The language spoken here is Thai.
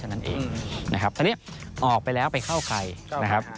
อันนี้ออกไปแล้วไปเข้าใคร